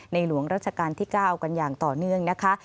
หลวงราชการที่๙กันอย่างต่อเนื่องนะคะ